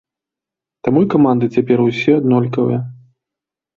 Таму і каманды цяпер усе аднолькавыя.